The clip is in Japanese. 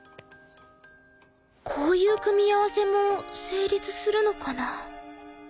こういう組み合わせも成立するのかな？